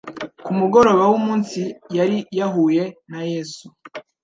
ku mugoroba w'umunsi yari yahuye na Yesu;